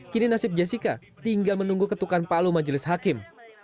kini nasib jessica tinggal menunggu ketukan palu majelis hakim